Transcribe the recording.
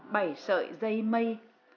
bảy sợi dây mây